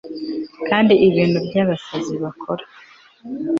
kandi ibintu byabasazi bakora